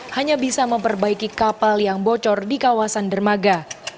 hanya bisa memperbaiki kapal yang bocor di kawasan dermaga